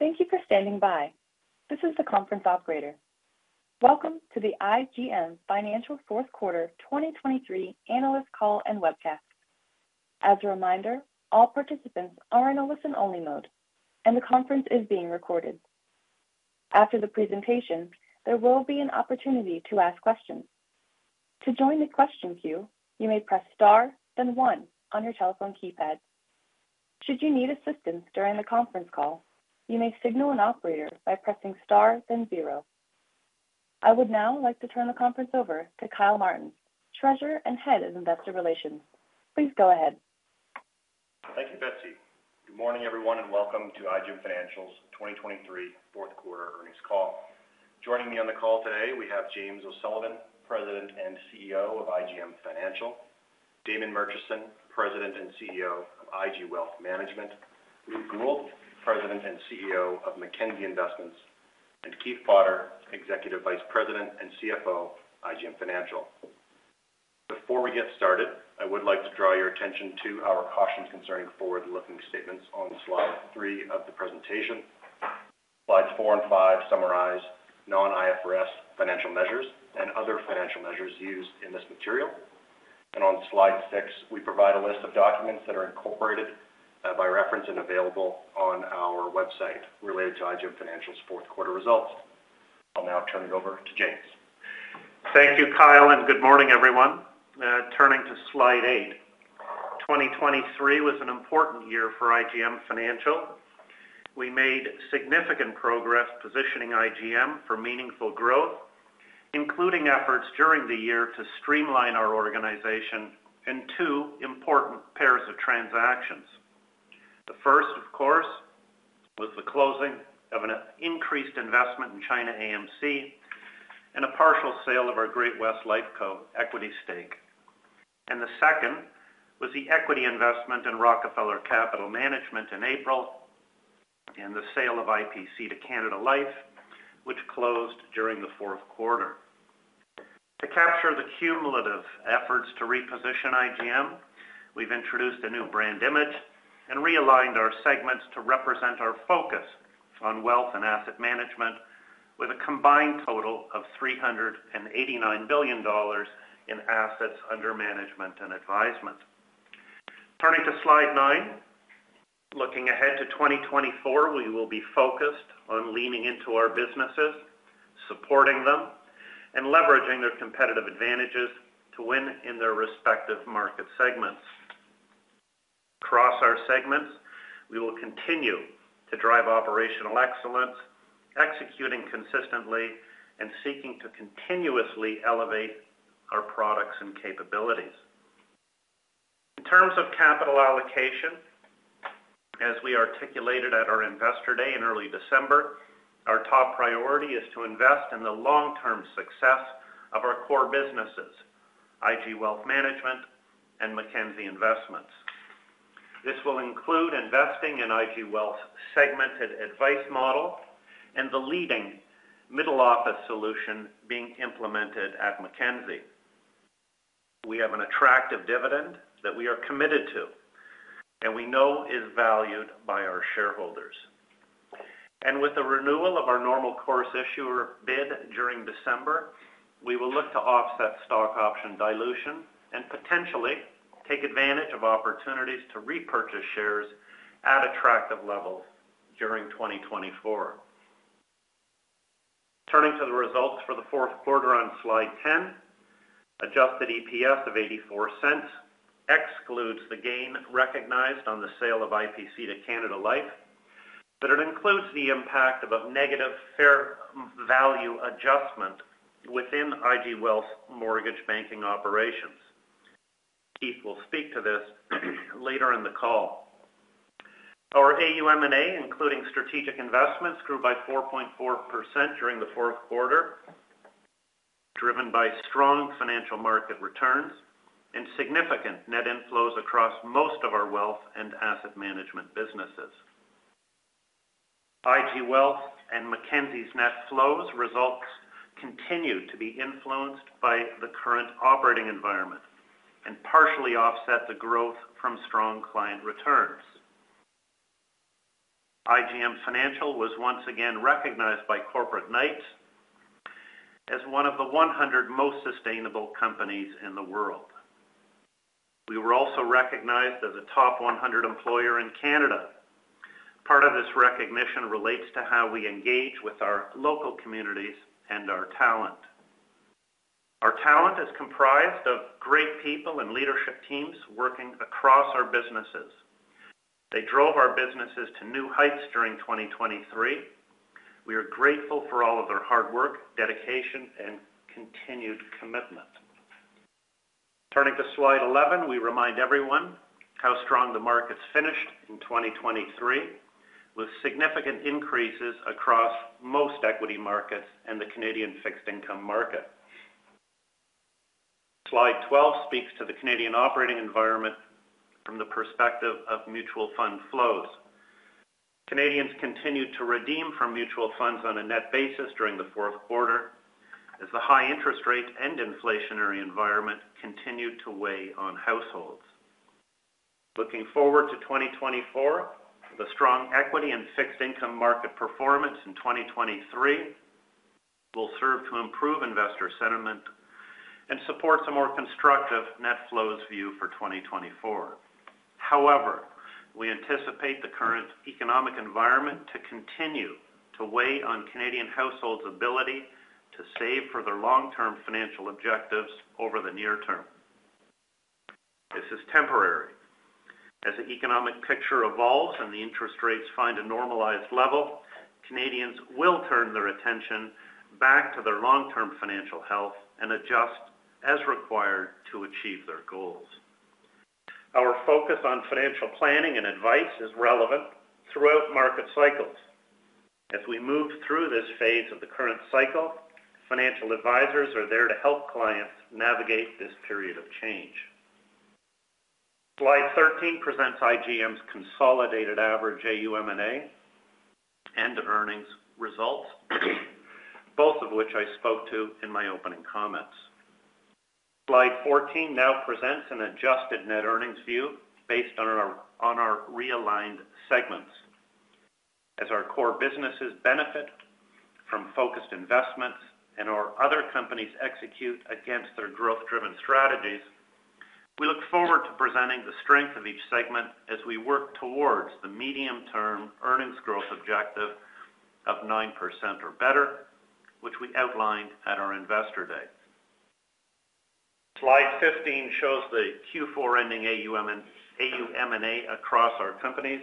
Thank you for standing by. This is the conference operator. Welcome to the IGM Financial's Fourth Quarter 2023 analyst call and webcast. As a reminder, all participants are in a listen-only mode, and the conference is being recorded. After the presentation, there will be an opportunity to ask questions. To join the question queue, you may press Star, then one on your telephone keypad. Should you need assistance during the conference call, you may signal an operator by pressing Star, then zero. I would now like to turn the conference over to Kyle Martens, Treasurer and Head of Investor Relations. Please go ahead. Thank you, Betsy. Good morning, everyone, and welcome to IGM Financial's 2023 fourth quarter earnings call. Joining me on the call today, we have James O'Sullivan, President and CEO of IGM Financial, Damon Murchison, President and CEO of IG Wealth Management, Luke Gould, President and CEO of Mackenzie Investments, and Keith Potter, Executive Vice President and CFO, IGM Financial. Before we get started, I would like to draw your attention to our caution concerning forward-looking statements on slide 3 of the presentation. Slides 4 and 5 summarize non-IFRS financial measures and other financial measures used in this material. And on Slide 6, we provide a list of documents that are incorporated by reference and available on our website related to IGM Financial's fourth quarter results. I'll now turn it over to James. Thank you, Kyle, and good morning, everyone. Turning to Slide 8. 2023 was an important year for IGM Financial. We made significant progress positioning IGM for meaningful growth, including efforts during the year to streamline our organization in two important pairs of transactions. The first, of course, was the closing of an increased investment in China AMC and a partial sale of our Great-West Lifeco equity stake. And the second was the equity investment in Rockefeller Capital Management in April, and the sale of IPC to Canada Life, which closed during the fourth quarter. To capture the cumulative efforts to reposition IGM, we've introduced a new brand image and realigned our segments to represent our focus on wealth and asset management, with a combined total of 389 billion dollars in assets under management and advisement. Turning to Slide 9. Looking ahead to 2024, we will be focused on leaning into our businesses, supporting them, and leveraging their competitive advantages to win in their respective market segments. Across our segments, we will continue to drive operational excellence, executing consistently, and seeking to continuously elevate our products and capabilities. In terms of capital allocation, as we articulated at our Investor Day in early December, our top priority is to invest in the long-term success of our core businesses, IG Wealth Management and Mackenzie Investments. This will include investing in IG Wealth's segmented advice model and the leading middle-office solution being implemented at Mackenzie. We have an attractive dividend that we are committed to and we know is valued by our shareholders. With the renewal of our Normal Course Issuer Bid during December, we will look to offset stock option dilution and potentially take advantage of opportunities to repurchase shares at attractive levels during 2024. Turning to the results for the fourth quarter on Slide 10, adjusted EPS of 0.84 excludes the gain recognized on the sale of IPC to Canada Life, but it includes the impact of a negative fair value adjustment within IG Wealth's mortgage banking operations. Keith will speak to this later in the call. Our AUM&A, including strategic investments, grew by 4.4% during the fourth quarter, driven by strong financial market returns and significant net inflows across most of our wealth and asset management businesses. IG Wealth and Mackenzie's net flows results continued to be influenced by the current operating environment and partially offset the growth from strong client returns. IGM Financial was once again recognized by Corporate Knights as one of the 100 most sustainable companies in the world. We were also recognized as a top 100 employer in Canada. Part of this recognition relates to how we engage with our local communities and our talent. Our talent is comprised of great people and leadership teams working across our businesses. They drove our businesses to new heights during 2023. We are grateful for all of their hard work, dedication, and continued commitment. Turning to Slide 11, we remind everyone how strong the markets finished in 2023, with significant increases across most equity markets and the Canadian fixed income market. Slide 12 speaks to the Canadian operating environment from the perspective of mutual fund flows. Canadians continued to redeem from mutual funds on a net basis during the fourth quarter, as the high interest rate and inflationary environment continued to weigh on households. Looking forward to 2024, the strong equity and fixed income market performance in 2023 will serve to improve investor sentiment and supports a more constructive net flows view for 2024. However, we anticipate the current economic environment to continue to weigh on Canadian households' ability to save for their long-term financial objectives over the near term. This is temporary. As the economic picture evolves and the interest rates find a normalized level, Canadians will turn their attention back to their long-term financial health and adjust as required to achieve their goals. Our focus on financial planning and advice is relevant throughout market cycles. As we move through this phase of the current cycle, financial advisors are there to help clients navigate this period of change. Slide 13 presents IGM's consolidated average AUM&A and earnings results, both of which I spoke to in my opening comments. Slide 14 now presents an adjusted net earnings view based on our realigned segments. As our core businesses benefit from focused investments and our other companies execute against their growth-driven strategies, we look forward to presenting the strength of each segment as we work towards the medium-term earnings growth objective of 9% or better, which we outlined at our Investor Day. Slide 15 shows the Q4 ending AUM&A across our companies,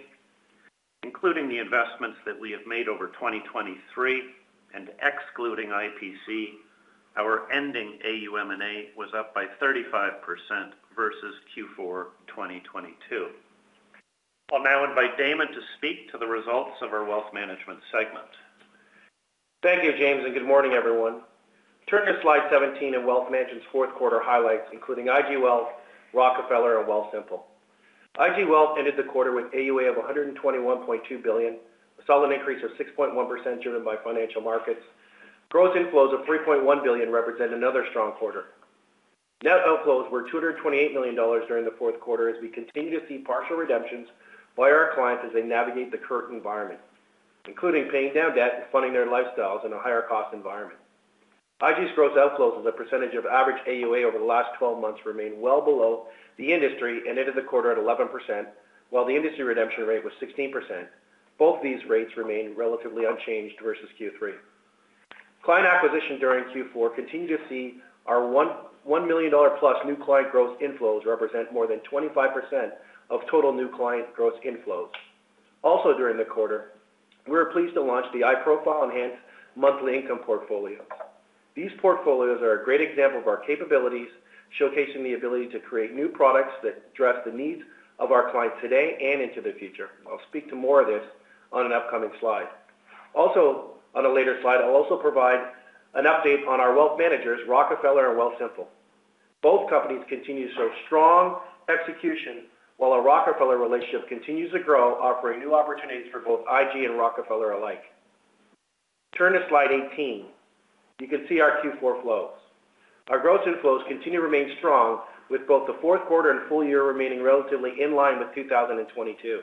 including the investments that we have made over 2023 and excluding IPC, our ending AUM&A was up by 35% versus Q4 2022. I'll now invite Damon to speak to the results of our wealth management segment. Thank you, James, and good morning, everyone. Turn to slide 17 in Wealth Management's fourth quarter highlights, including IG Wealth, Rockefeller, and Wealthsimple. IG Wealth ended the quarter with AUA of 121.2 billion, a solid increase of 6.1% driven by financial markets. Gross inflows of 3.1 billion represent another strong quarter. Net outflows were 228 million dollars during the fourth quarter, as we continue to see partial redemptions by our clients as they navigate the current environment, including paying down debt and funding their lifestyles in a higher-cost environment. IG's gross outflows as a percentage of average AUA over the last twelve months remain well below the industry and ended the quarter at 11%, while the industry redemption rate was 16%. Both these rates remain relatively unchanged versus Q3. Client acquisition during Q4 continued to see our 1 million dollar-plus new client gross inflows represent more than 25% of total new client gross inflows. Also, during the quarter, we were pleased to launch the iProfile Enhanced Monthly Income Portfolio. These portfolios are a great example of our capabilities, showcasing the ability to create new products that address the needs of our clients today and into the future. I'll speak to more of this on an upcoming slide. Also, on a later slide, I'll also provide an update on our wealth managers, Rockefeller and Wealthsimple. Both companies continue to show strong execution, while our Rockefeller relationship continues to grow, offering new opportunities for both IG and Rockefeller alike. Turn to slide 18. You can see our Q4 flows. Our gross inflows continue to remain strong, with both the fourth quarter and full year remaining relatively in line with 2022.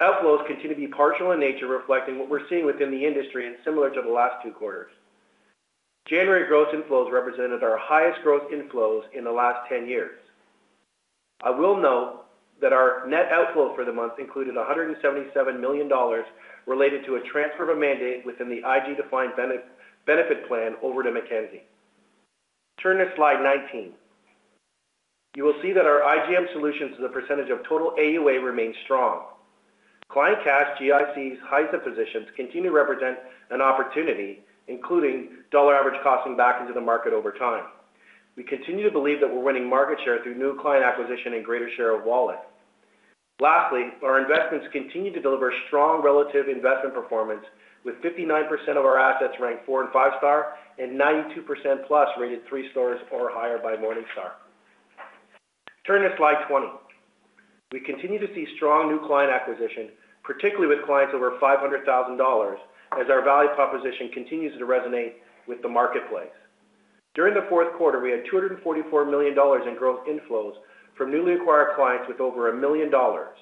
Outflows continue to be partial in nature, reflecting what we're seeing within the industry and similar to the last two quarters. January gross inflows represented our highest growth inflows in the last 10 years. I will note that our net outflow for the month included 177 million dollars related to a transfer of a mandate within the IG Defined Benefit Plan over to Mackenzie. Turn to slide 19. You will see that our IGM solutions as a percentage of total AUA remains strong. Client cash, GICs, HISA positions continue to represent an opportunity, including dollar average costing back into the market over time. We continue to believe that we're winning market share through new client acquisition and greater share of wallet. Lastly, our investments continue to deliver strong relative investment performance, with 59% of our assets ranked four and five star, and 92%+ rated three stars or higher by Morningstar. Turn to slide 20. We continue to see strong new client acquisition, particularly with clients over 500,000 dollars, as our value proposition continues to resonate with the marketplace. During the fourth quarter, we had 244 million dollars in growth inflows from newly acquired clients with over 1 million dollars,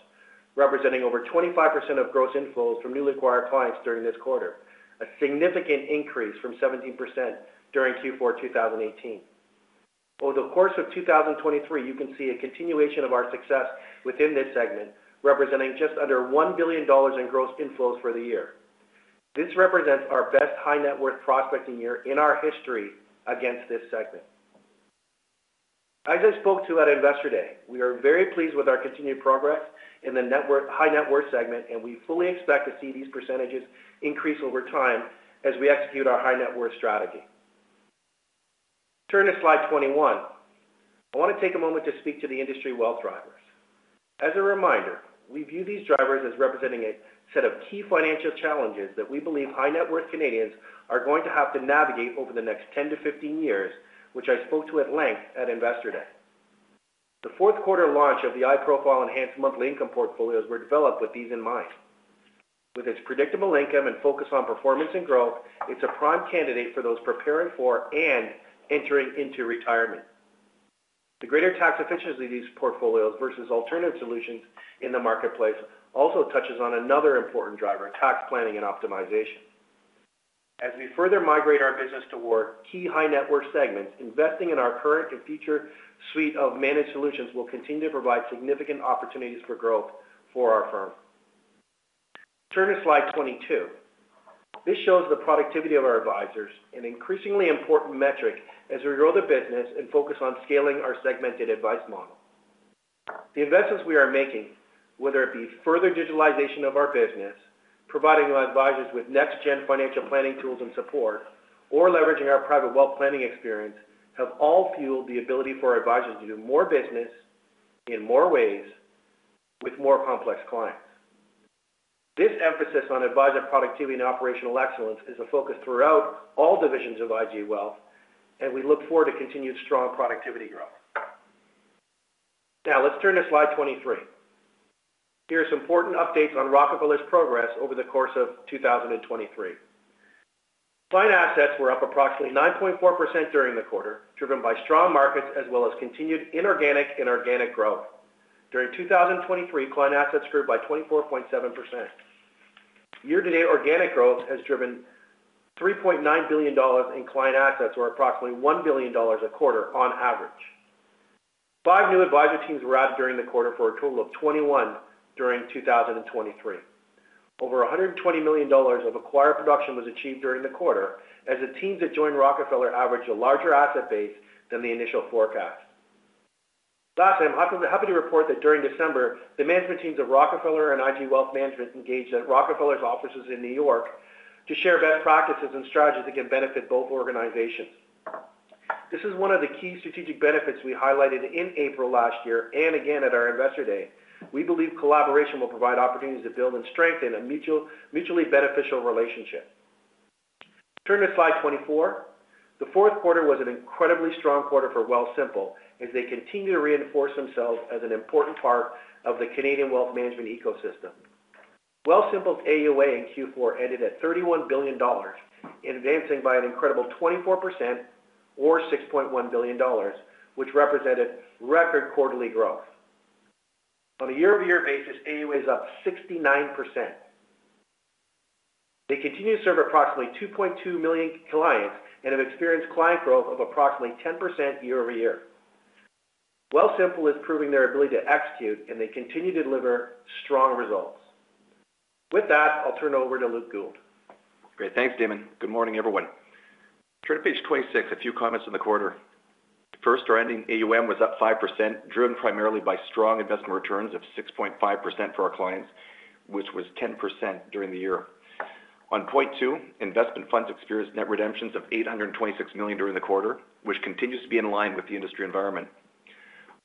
representing over 25% of gross inflows from newly acquired clients during this quarter, a significant increase from 17% during Q4 2018. Over the course of 2023, you can see a continuation of our success within this segment, representing just under 1 billion dollars in gross inflows for the year. This represents our best high-net-worth prospecting year in our history against this segment. As I spoke to at Investor Day, we are very pleased with our continued progress in the network high-net-worth segment, and we fully expect to see these percentages increase over time as we execute our high-net-worth strategy. Turn to slide 21. I want to take a moment to speak to the industry wealth drivers. As a reminder, we view these drivers as representing a set of key financial challenges that we believe high-net-worth Canadians are going to have to navigate over the next 10-15 years, which I spoke to at length at Investor Day. The fourth quarter launch of the iProfile Enhanced Monthly Income Portfolios were developed with these in mind... With its predictable income and focus on performance and growth, it's a prime candidate for those preparing for and entering into retirement. The greater tax efficiency of these portfolios versus alternative solutions in the marketplace also touches on another important driver: tax planning and optimization. As we further migrate our business toward key high-net-worth segments, investing in our current and future suite of managed solutions will continue to provide significant opportunities for growth for our firm. Turn to Slide 22. This shows the productivity of our advisors, an increasingly important metric as we grow the business and focus on scaling our segmented advice model. The investments we are making, whether it be further digitalization of our business, providing our advisors with next-gen financial planning tools and support, or leveraging our private wealth planning experience, have all fueled the ability for our advisors to do more business in more ways with more complex clients. This emphasis on advisor productivity and operational excellence is a focus throughout all divisions of IG Wealth, and we look forward to continued strong productivity growth. Now, let's turn to Slide 23. Here are some important updates on Rockefeller's progress over the course of 2023. Client assets were up approximately 9.4% during the quarter, driven by strong markets as well as continued inorganic and organic growth. During 2023, client assets grew by 24.7%. Year-to-date organic growth has driven $3.9 billion in client assets, or approximately $1 billion a quarter on average. 5 new advisor teams were added during the quarter, for a total of 21 during 2023. Over $120 million of acquired production was achieved during the quarter, as the teams that joined Rockefeller averaged a larger asset base than the initial forecast. Lastly, I'm happy to report that during December, the management teams of Rockefeller and IG Wealth Management engaged at Rockefeller's offices in New York to share best practices and strategies that can benefit both organizations. This is one of the key strategic benefits we highlighted in April last year, and again at our Investor Day. We believe collaboration will provide opportunities to build and strengthen a mutually beneficial relationship. Turn to Slide 24. The fourth quarter was an incredibly strong quarter for Wealthsimple, as they continue to reinforce themselves as an important part of the Canadian wealth management ecosystem. Wealthsimple's AUA in Q4 ended at 31 billion dollars, advancing by an incredible 24% or 6.1 billion dollars, which represented record quarterly growth. On a year-over-year basis, AUA is up 69%. They continue to serve approximately 2.2 million clients and have experienced client growth of approximately 10% year-over-year. Wealthsimple is proving their ability to execute, and they continue to deliver strong results. With that, I'll turn it over to Luke Gould. Great. Thanks, Damon. Good morning, everyone. Turn to page 26. A few comments on the quarter. First, our ending AUM was up 5%, driven primarily by strong investment returns of 6.5% for our clients, which was 10% during the year. On point 2, investment funds experienced net redemptions of 826 million during the quarter, which continues to be in line with the industry environment.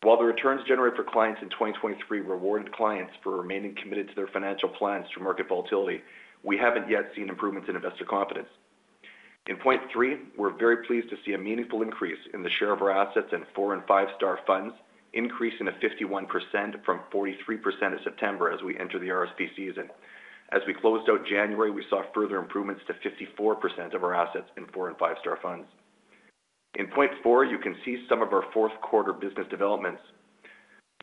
While the returns generated for clients in 2023 rewarded clients for remaining committed to their financial plans through market volatility, we haven't yet seen improvements in investor confidence. In point 3, we're very pleased to see a meaningful increase in the share of our assets in 4- and 5-star funds, increasing to 51% from 43% in September as we enter the RSP season. As we closed out January, we saw further improvements to 54% of our assets in four and five-star funds. In point four, you can see some of our fourth quarter business developments.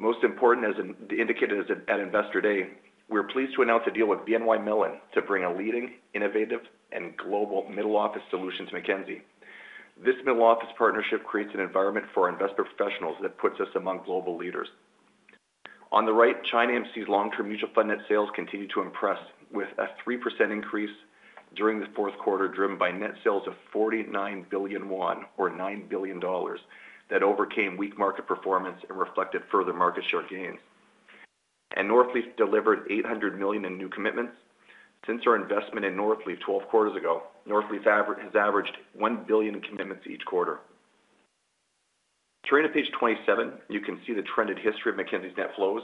Most important, as indicated at Investor Day, we're pleased to announce a deal with BNY Mellon to bring a leading, innovative, and global middle-office solution to Mackenzie. This middle-office partnership creates an environment for our investor professionals that puts us among global leaders. On the right, China AMC's long-term mutual fund net sales continue to impress, with a 3% increase during the fourth quarter, driven by net sales of CNY 49 billion, or $9 billion, that overcame weak market performance and reflected further market share gains. Northleaf delivered 800 million in new commitments. Since our investment in Northleaf 12 quarters ago, Northleaf has averaged 1 billion in commitments each quarter. Turning to page 27, you can see the trended history of Mackenzie's net flows.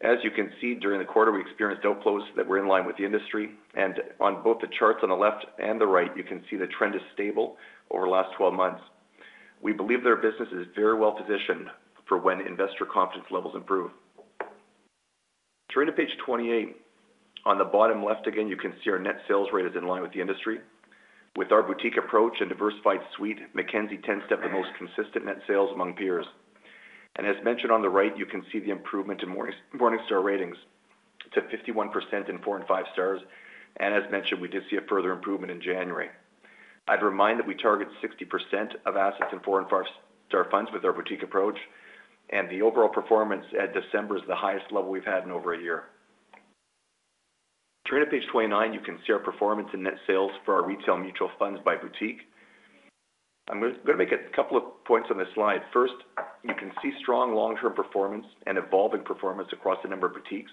As you can see, during the quarter, we experienced outflows that were in line with the industry, and on both the charts on the left and the right, you can see the trend is stable over the last 12 months. We believe their business is very well positioned for when investor confidence levels improve. Turning to page 28, on the bottom left, again, you can see our net sales rate is in line with the industry. With our boutique approach and diversified suite, Mackenzie tends to have the most consistent net sales among peers. As mentioned on the right, you can see the improvement in Morningstar ratings to 51% in four and five stars, and as mentioned, we did see a further improvement in January. I'd remind that we target 60% of assets in four- and five-star funds with our boutique approach, and the overall performance at December is the highest level we've had in over a year. Turning to page 29, you can see our performance in net sales for our retail mutual funds by boutique. I'm going to make a couple of points on this slide. First, you can see strong long-term performance and evolving performance across a number of boutiques,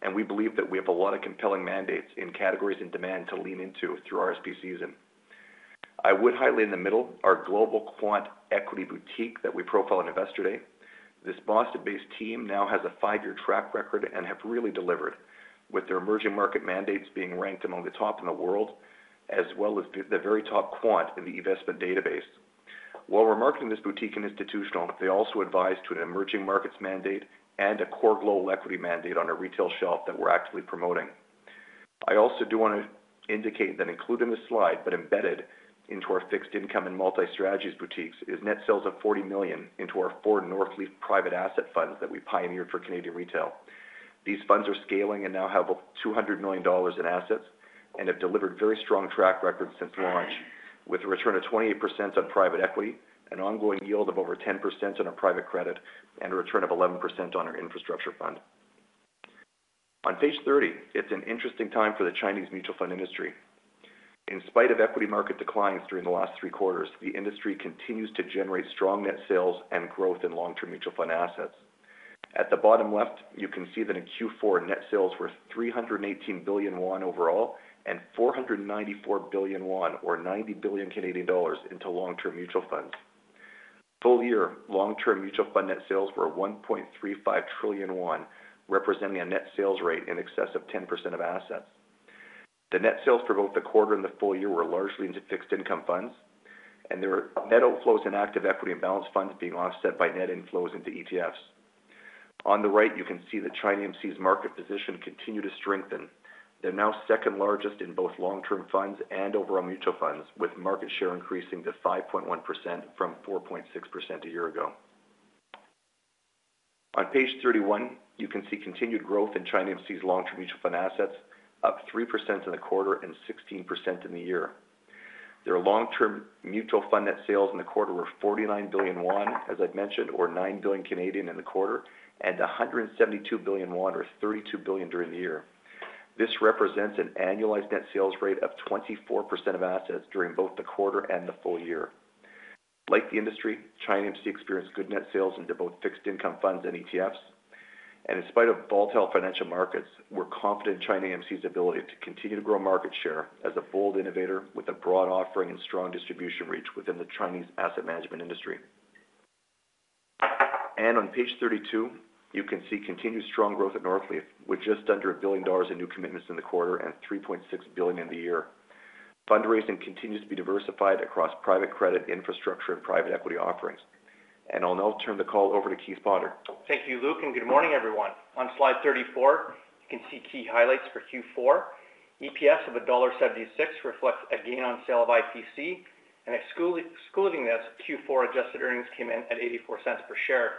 and we believe that we have a lot of compelling mandates in categories and demand to lean into through our RSP season. I would highlight in the middle our Global Quantitative Equity boutique that we profiled on Investor Day. This Boston-based team now has a 5-year track record and have really delivered, with their emerging market mandates being ranked among the top in the world, as well as the very top quant in the investment database. While we're marketing this boutique and institutional, they also advise to an emerging markets mandate and a core global equity mandate on a retail shelf that we're actively promoting. I also do want to indicate that included in this slide, but embedded into our fixed income and multi-strategies boutiques, is net sales of 40 million into our 4 Northleaf private asset funds that we pioneered for Canadian retail. These funds are scaling and now have over $200 million in assets and have delivered very strong track records since launch, with a return of 28% on private equity, an ongoing yield of over 10% on our private credit, and a return of 11% on our infrastructure fund. On page 30, it's an interesting time for the Chinese mutual fund industry. In spite of equity market declines during the last three quarters, the industry continues to generate strong net sales and growth in long-term mutual fund assets. At the bottom left, you can see that in Q4 net sales were CNY 318 billion overall, and CNY 494 billion, or 90 billion Canadian dollars, into long-term mutual funds. Full year long-term mutual fund net sales were CNY 1.35 trillion, representing a net sales rate in excess of 10% of assets. The net sales for both the quarter and the full year were largely into fixed income funds, and there were net outflows in active equity and balanced funds being offset by net inflows into ETFs. On the right, you can see that China AMC's market position continued to strengthen. They're now second largest in both long-term funds and overall mutual funds, with market share increasing to 5.1% from 4.6% a year ago. On page 31, you can see continued growth in China AMC's long-term mutual fund assets, up 3% in the quarter and 16% in the year. Their long-term mutual fund net sales in the quarter were CNY 49 billion, as I've mentioned, or 9 billion in the quarter, and CNY 172 billion, or 32 billion during the year. This represents an annualized net sales rate of 24% of assets during both the quarter and the full year. Like the industry, China AMC experienced good net sales into both fixed income funds and ETFs. In spite of volatile financial markets, we're confident China AMC's ability to continue to grow market share as a bold innovator with a broad offering and strong distribution reach within the Chinese asset management industry. On page 32, you can see continued strong growth at Northleaf, with just under $1 billion in new commitments in the quarter and $3.6 billion in the year. Fundraising continues to be diversified across private credit, infrastructure, and private equity offerings. And I'll now turn the call over to Keith Potter. Thank you, Luke, and good morning, everyone. On slide 34, you can see key highlights for Q4. EPS of $1.76 reflects a gain on sale of IPC, and excluding this, Q4 adjusted earnings came in at $0.84 per share.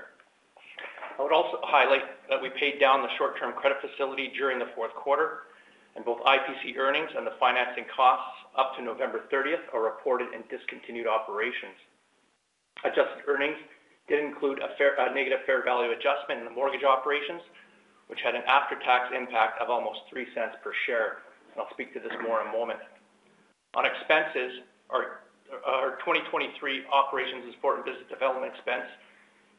I would also highlight that we paid down the short-term credit facility during the fourth quarter, and both IPC earnings and the financing costs up to November thirtieth are reported in discontinued operations. Adjusted earnings did include a negative fair value adjustment in the mortgage operations, which had an after-tax impact of almost $0.03 per share, and I'll speak to this more in a moment. On expenses, our 2023 operations and support and business development expense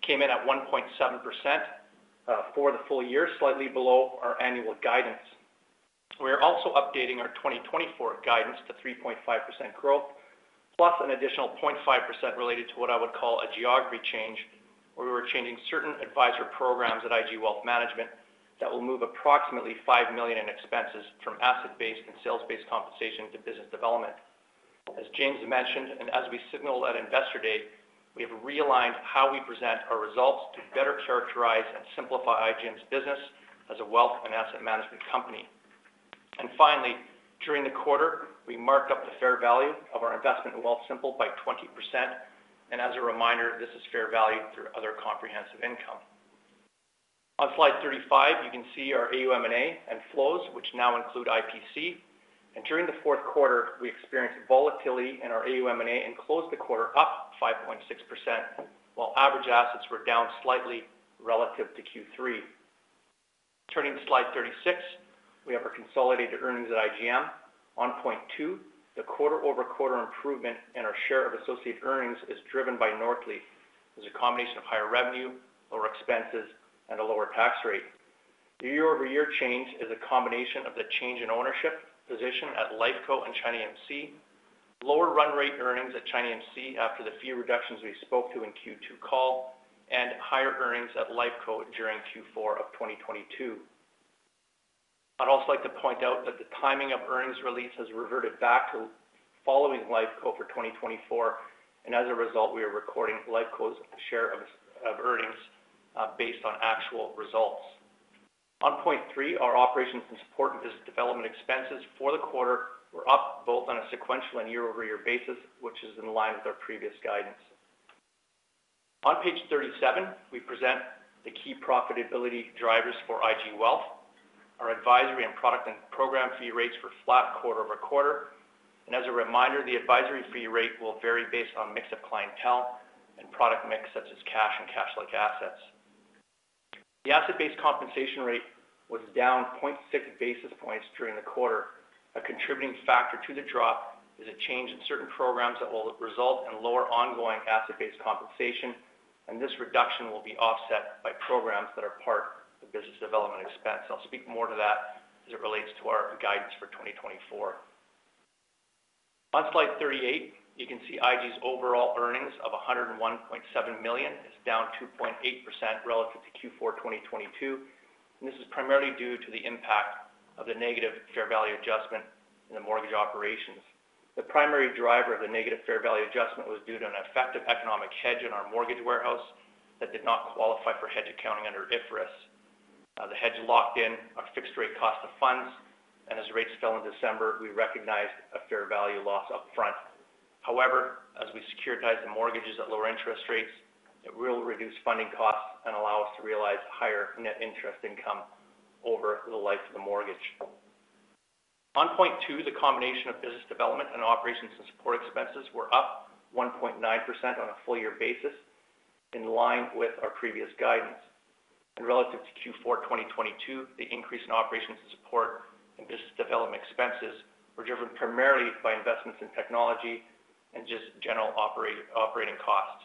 came in at 1.7% for the full year, slightly below our annual guidance. We are also updating our 2024 guidance to 3.5% growth, plus an additional 0.5% related to what I would call a geography change, where we were changing certain advisor programs at IG Wealth Management that will move approximately 5 million in expenses from asset-based and sales-based compensation to business development. As James mentioned, and as we signaled at Investor Day, we have realigned how we present our results to better characterize and simplify IGM's business as a wealth and asset management company. Finally, during the quarter, we marked up the fair value of our investment in Wealthsimple by 20%, and as a reminder, this is fair value through other comprehensive income. On slide 35, you can see our AUM&A and flows, which now include IPC. During the fourth quarter, we experienced volatility in our AUM&A and closed the quarter up 5.6%, while average assets were down slightly relative to Q3. Turning to slide 36, we have our consolidated earnings at IGM. On point 2, the quarter-over-quarter improvement in our share of associate earnings is driven by Northleaf. There's a combination of higher revenue, lower expenses, and a lower tax rate. The year-over-year change is a combination of the change in ownership, position at Lifeco. and China AMC, lower run rate earnings at China AMC after the fee reductions we spoke to in Q2 call, and higher earnings at Lifeco. during Q4 of 2022. I'd also like to point out that the timing of earnings release has reverted back to following Lifeco. for 2024, and as a result, we are recording Lifeco's share of earnings based on actual results. On point 3, our operations and support and business development expenses for the quarter were up both on a sequential and year-over-year basis, which is in line with our previous guidance. On page 37, we present the key profitability drivers for IG Wealth. Our advisory and product and program fee rates were flat quarter over quarter. And as a reminder, the advisory fee rate will vary based on mix of clientele and product mix, such as cash and cash-like assets. The asset-based compensation rate was down 0.6 basis points during the quarter. A contributing factor to the drop is a change in certain programs that will result in lower ongoing asset-based compensation, and this reduction will be offset by programs that are part of the business development expense. I'll speak more to that as it relates to our guidance for 2024. On slide 38, you can see IG's overall earnings of CAD 101.7 million is down 2.8% relative to Q4 2022. And this is primarily due to the impact of the negative fair value adjustment in the mortgage operations. The primary driver of the negative fair value adjustment was due to an effective economic hedge in our mortgage warehouse that did not qualify for hedge accounting under IFRS. The hedge locked in our fixed-rate cost of funds, and as rates fell in December, we recognized a fair value loss upfront. However, as we securitize the mortgages at lower interest rates, it will reduce funding costs and allow us to realize higher net interest income over the life of the mortgage. On point two, the combination of business development and operations and support expenses were up 1.9% on a full-year basis, in line with our previous guidance. And relative to Q4 2022, the increase in operations and support and business development expenses were driven primarily by investments in technology and just general operating costs.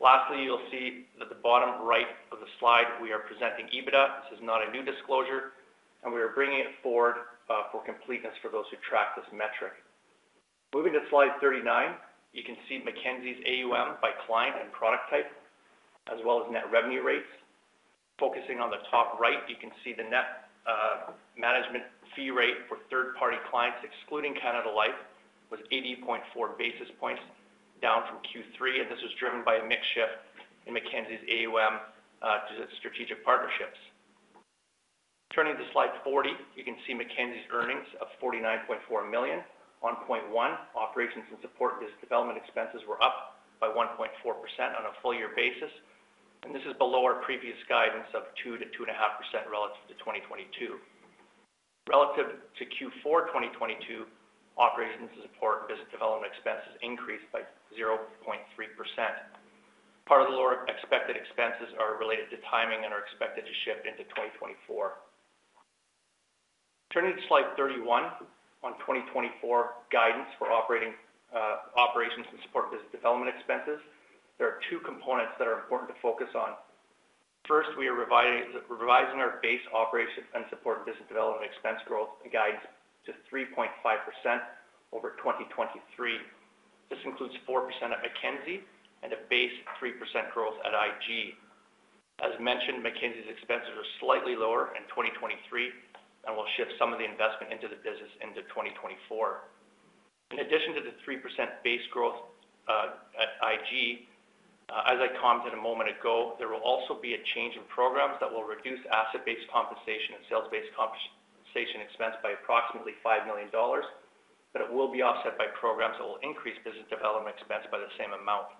Lastly, you'll see that at the bottom right of the slide, we are presenting EBITDA. This is not a new disclosure, and we are bringing it forward for completeness for those who track this metric. Moving to slide 39, you can see Mackenzie's AUM by client and product type, as well as net revenue rates. Focusing on the top right, you can see the net management fee rate for third-party clients, excluding Canada Life, was 80.4 basis points down from Q3, and this was driven by a mix shift in Mackenzie's AUM to strategic partnerships. Turning to slide 40, you can see Mackenzie's earnings of 49.4 million. On point one, operations and support business development expenses were up by 1.4% on a full-year basis, and this is below our previous guidance of 2%-2.5% relative to 2022. Relative to Q4 2022, operations and support business development expenses increased by 0.3%. Part of the lower expected expenses are related to timing and are expected to shift into 2024. Turning to slide 31, on 2024 guidance for operating, operations and support business development expenses, there are two components that are important to focus on. First, we are revising our base operations and support business development expense growth guidance to 3.5% over 2023. This includes 4% at Mackenzie and a base 3% growth at IG. As mentioned, Mackenzie's expenses are slightly lower in 2023, and we'll shift some of the investment into the business into 2024. In addition to the 3% base growth, at IG, as I commented a moment ago, there will also be a change in programs that will reduce asset-based compensation and sales-based compensation expense by approximately 5 million dollars. But it will be offset by programs that will increase business development expense by the same amount.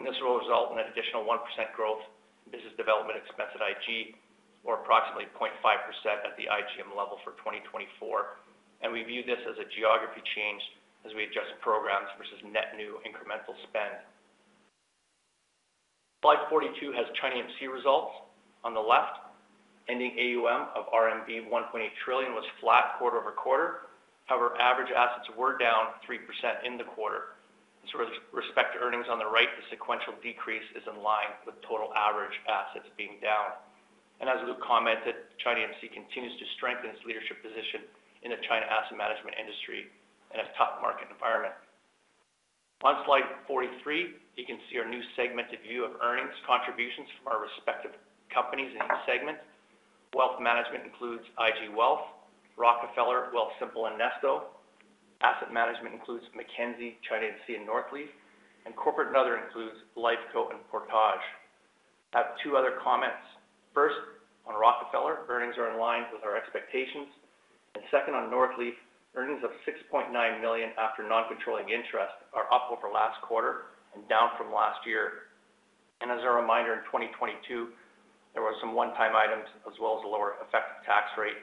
This will result in an additional 1% growth in business development expense at IG, or approximately 0.5% at the IGM level for 2024. We view this as a geography change as we adjust programs versus net new incremental spend. Slide 42 has China AMC results. On the left, ending AUM of RMB 1.8 trillion was flat quarter-over-quarter. However, average assets were down 3% in the quarter. So with respect to earnings on the right, the sequential decrease is in line with total average assets being down. As Luke commented, China AMC continues to strengthen its leadership position in the China asset management industry and its top market environment. On Slide 43, you can see our new segmented view of earnings contributions from our respective companies in each segment. Wealth Management includes IG Wealth, Rockefeller, Wealthsimple, and Nesto. Asset Management includes Mackenzie, China AMC, and Northleaf, and Corporate and Other includes Lifeco and Portage. I have two other comments. First, on Rockefeller, earnings are in line with our expectations. Second, on Northleaf, earnings of 6.9 million after non-controlling interests are up over last quarter and down from last year. As a reminder, in 2022, there were some one-time items, as well as a lower effective tax rate.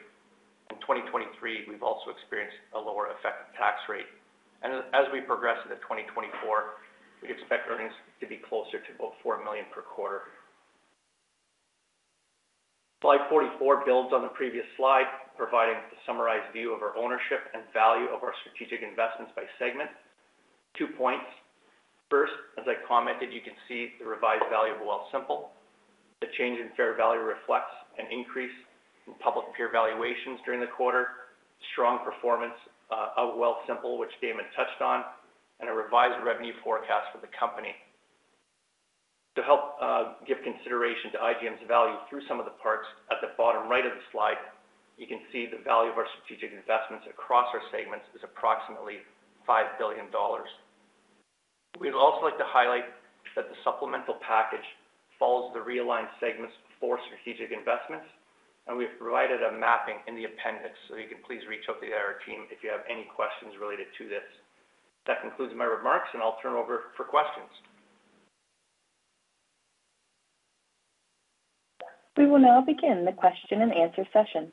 In 2023, we've also experienced a lower effective tax rate. As we progress into 2024, we expect earnings to be closer to about 4 million per quarter. Slide 44 builds on the previous slide, providing a summarized view of our ownership and value of our strategic investments by segment. Two points: first, as I commented, you can see the revised value of Wealthsimple. The change in fair value reflects an increase in public peer valuations during the quarter, strong performance of Wealthsimple, which Damon touched on, and a revised revenue forecast for the company. To help give consideration to IGM's value through some of the parts, at the bottom right of the slide, you can see the value of our strategic investments across our segments is approximately 5 billion dollars. We'd also like to highlight that the supplemental package follows the realigned segments for strategic investments, and we've provided a mapping in the appendix, so you can please reach out to the IR team if you have any questions related to this. That concludes my remarks, and I'll turn over for questions. We will now begin the question-and-answer session.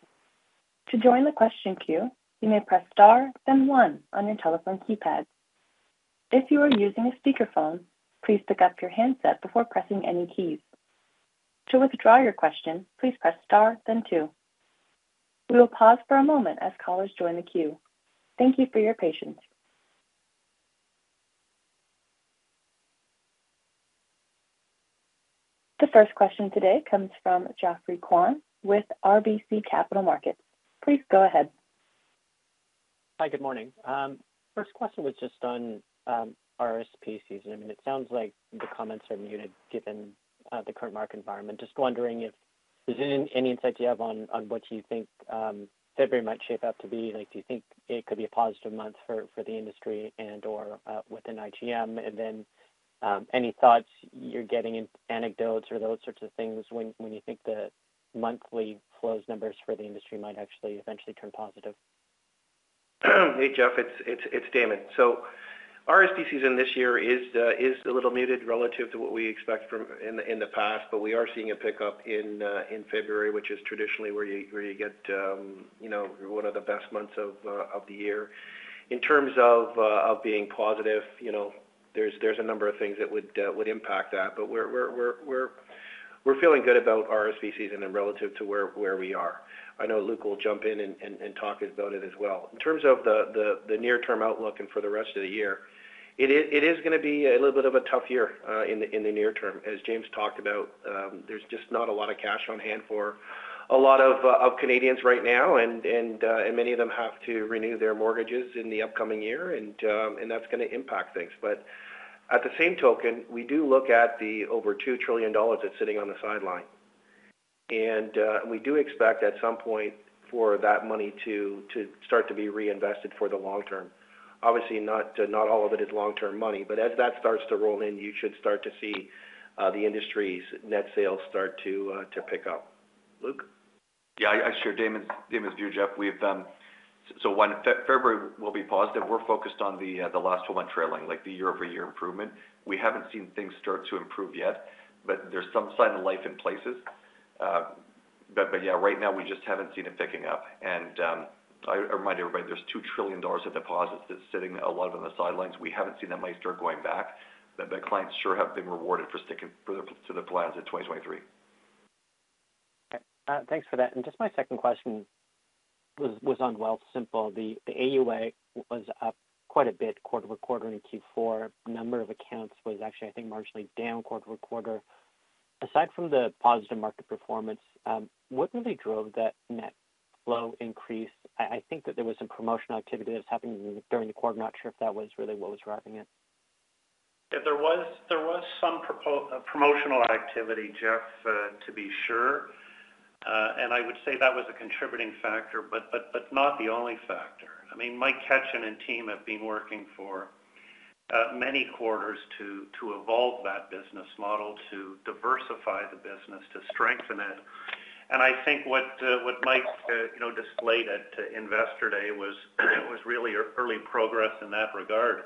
To join the question queue, you may press star, then one on your telephone keypad. If you are using a speakerphone, please pick up your handset before pressing any keys. To withdraw your question, please press star, then two. We will pause for a moment as callers join the queue. Thank you for your patience. The first question today comes from Geoffrey Kwan with RBC Capital Markets. Please go ahead. Hi, good morning. First question was just on, RSP season. I mean, it sounds like the comments from you had given, the current market environment. Just wondering if there's any, any insight you have on, on what you think, February might shape up to be? Like, do you think it could be a positive month for, for the industry and/or, within IGM? And then, any thoughts you're getting in anecdotes or those sorts of things when, when you think the monthly flows numbers for the industry might actually eventually turn positive? Hey, Geoff, it's Damon. So RSP season this year is a little muted relative to what we expect from in the past, but we are seeing a pickup in February, which is traditionally where you get, you know, one of the best months of the year. In terms of being positive, you know, there's a number of things that would impact that. But we're feeling good about our RSP season and relative to where we are. I know Luke will jump in and talk about it as well. In terms of the near-term outlook and for the rest of the year, it is gonna be a little bit of a tough year in the near term. As James talked about, there's just not a lot of cash on hand for a lot of Canadians right now, and many of them have to renew their mortgages in the upcoming year, and that's gonna impact things. But at the same token, we do look at the over 2 trillion dollars that's sitting on the sidelines. We do expect at some point for that money to start to be reinvested for the long term. Obviously, not all of it is long-term money, but as that starts to roll in, you should start to see the industry's net sales start to pick up. Luke? Yeah, I share Damon's, Damon's view, Geoff. We've... So when February will be positive, we're focused on the last 12-month trailing, like the year-over-year improvement. We haven't seen things start to improve yet, but there's some sign of life in places. But yeah, right now we just haven't seen it picking up. And I remind everybody, there's 2 trillion dollars of deposits that's sitting a lot on the sidelines. We haven't seen that money start going back, but the clients sure have been rewarded for sticking to their plans in 2023. Okay, thanks for that. And just my second question was on Wealthsimple. The AUA was up quite a bit quarter-over-quarter in Q4. Number of accounts was actually, I think, marginally down quarter-over-quarter. Aside from the positive market performance, what really drove that net flow increase? I think that there was some promotional activity that was happening during the quarter. I'm not sure if that was really what was driving it. Yeah, there was some promotional activity, Geoff, to be sure. And I would say that was a contributing factor, but not the only factor. I mean, Mike Katchen and team have been working for many quarters to evolve that business model, to diversify the business, to strengthen it. And I think what Mike you know displayed at Investor Day was really early progress in that regard.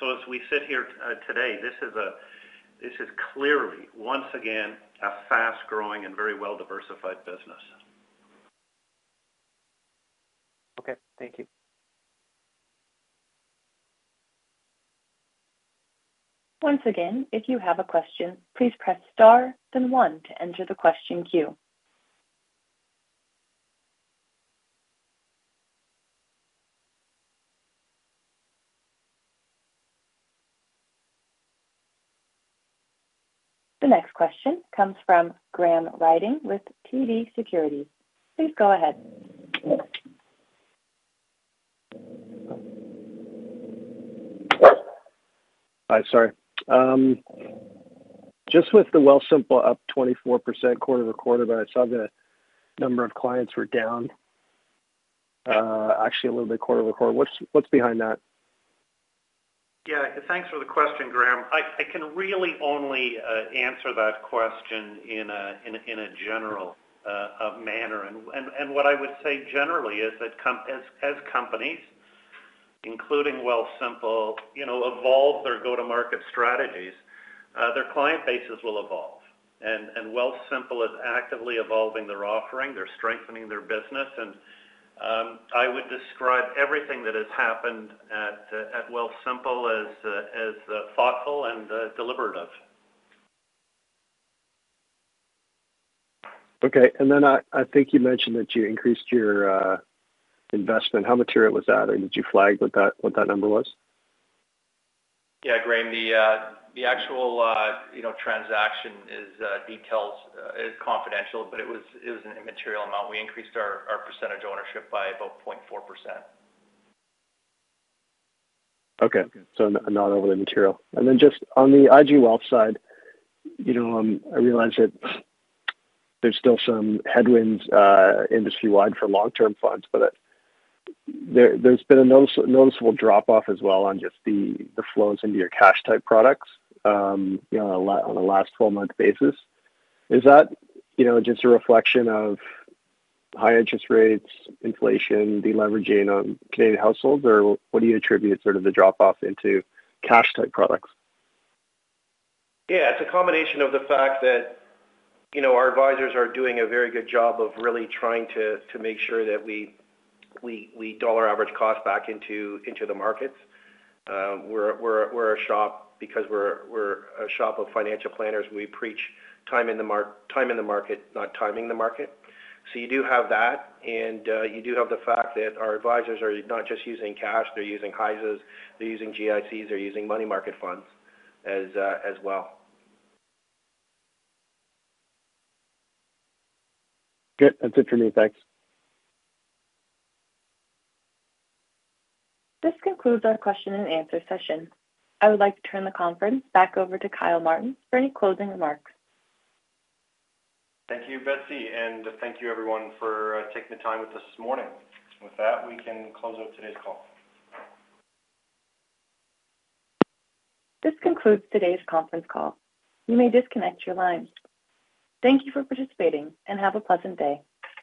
So as we sit here today, this is clearly, once again, a fast-growing and very well-diversified business. Okay, thank you. Once again, if you have a question, please press Star, then One to enter the question queue. The next question comes from Graham Ryding with TD Securities. Please go ahead. Hi, sorry. Just with the Wealthsimple up 24% quarter-over-quarter, but I saw the number of clients were down, actually a little bit quarter-over-quarter. What's behind that? Yeah, thanks for the question, Graham. I can really only answer that question in a general manner. What I would say generally is that as companies, including Wealthsimple, you know, evolve their go-to-market strategies, their client bases will evolve. Wealthsimple is actively evolving their offering. They're strengthening their business, and I would describe everything that has happened at Wealthsimple as thoughtful and deliberative. Okay. And then I think you mentioned that you increased your investment. How material was that, and did you flag what that number was? Yeah, Graham, the actual, you know, transaction details is confidential, but it was an immaterial amount. We increased our percentage ownership by about 0.4%. Okay. So not overly material. And then just on the IG Wealth side, you know, I realize that there's still some headwinds, industry-wide for long-term funds, but, there's been a noticeable drop-off as well on just the flows into your cash-type products, you know, on a last twelve-month basis. Is that, you know, just a reflection of high interest rates, inflation, deleveraging on Canadian households, or what do you attribute sort of the drop-off into cash-type products? Yeah, it's a combination of the fact that, you know, our advisors are doing a very good job of really trying to make sure that we dollar average cost back into the markets. We're a shop because we're a shop of financial planners. We preach time in the market, not timing the market. So you do have that, and you do have the fact that our advisors are not just using cash, they're using HISAs, they're using GICs, they're using money market funds as well. Good. That's it for me. Thanks. This concludes our question and answer session. I would like to turn the conference back over to Kyle Martens for any closing remarks. Thank you, Betsy, and thank you everyone for taking the time with us this morning. With that, we can close out today's call. This concludes today's conference call. You may disconnect your lines. Thank you for participating, and have a pleasant day.